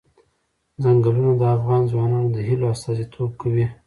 ځنګلونه د افغان ځوانانو د هیلو استازیتوب کوي.